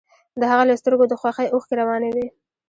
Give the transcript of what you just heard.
د هغه له سترګو د خوښۍ اوښکې روانې وې